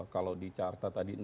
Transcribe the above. kalau di carta tadi